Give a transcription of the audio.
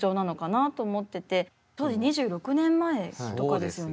当時２６年前とかですよね。